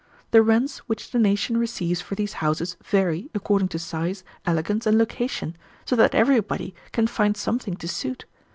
The rents which the nation receives for these houses vary, according to size, elegance, and location, so that everybody can find something to suit.